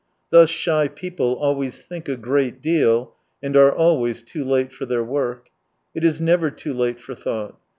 Thus shy people always think a great deal, and are always too late for their work. It is never too late for thought.